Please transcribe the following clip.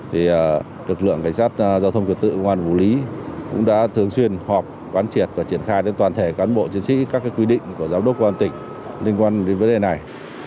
thì lực lượng cảnh sát giao thông trật tự công an phủ lý cũng đã thường xuyên họp quán triệt và triển khai đến toàn thể cán bộ chiến sĩ các quy định của giám đốc công an tỉnh liên quan đến vấn đề này